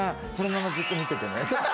そのままずっと見ててねって。